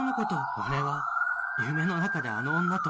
「俺は夢の中であの女と」